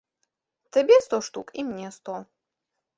Табе сто штук і мне сто.